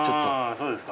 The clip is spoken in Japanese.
そうですか？